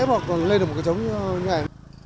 mà còn lên được một cái chống như thế này